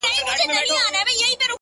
پر موږ همېش یاره صرف دا رحم جهان کړی دی،